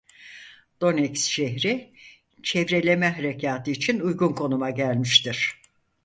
Donetsk şehri çevreleme harekâtı için uygun konuma gelmiştir.